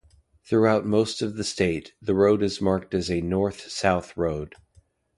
Throughout most of the state, the road is marked as a north-south road.